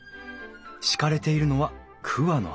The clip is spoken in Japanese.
敷かれているのは桑の葉。